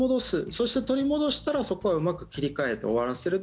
そして、取り戻したら、そこはうまく切り替えて終わらせる。